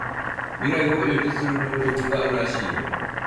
未来を予知する能力があるらしいよ